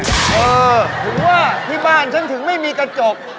ถึงว่าที่บ้านฉันถึงไม่มีกระจก